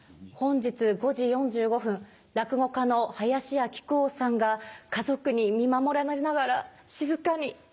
本日５時４５分落語家の林家木久扇さんが家族に見守られながら静かに。